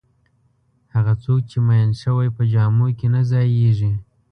هغه څوک چې میین شوی په جامو کې نه ځایېږي.